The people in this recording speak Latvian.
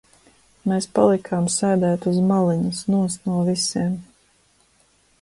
Mēs palikām sēdēt uz maliņas nost no visiem.